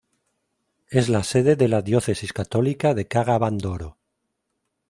Es la sede de la diócesis católica de Kaga-Bandoro.